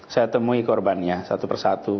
saya temui korbannya satu persatu